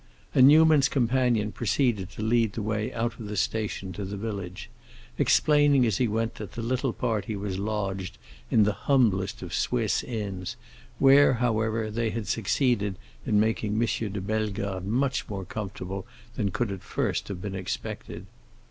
And Newman's companion proceeded to lead the way out of the station to the village, explaining as he went that the little party was lodged in the humblest of Swiss inns, where, however, they had succeeded in making M. de Bellegarde much more comfortable than could at first have been expected.